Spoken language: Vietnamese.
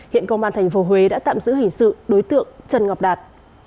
hiện công an tp huế đã tạm giữ hình sự đối tượng trần ngọc đạt